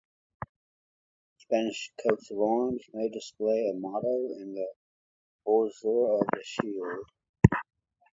Spanish coats of arms may display a motto in the bordure of the shield.